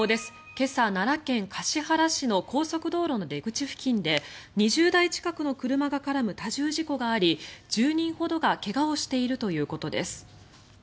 今朝、奈良県橿原市の高速道路の出口付近で２０台近くの車が絡む多重事故があり１０人ほどが怪我をしているということです。